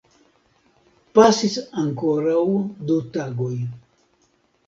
Pasis ankoraŭ du tagoj.